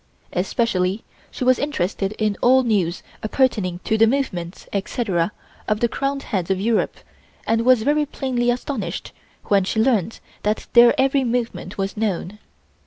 Especially was she interested in all news appertaining to the movements, etc., of the crowned heads of Europe, and was very plainly astonished when she learned that their every movement was known.